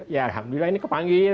ya alhamdulillah ini kepanggil